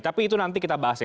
tapi itu nanti kita bahas ya